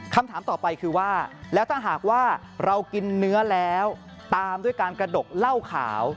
คำถามต่อไปคือว่าแล้วถ้าหากว่าเรากินเนื้อแล้วตามด้วยการกระดกเหล้าขาว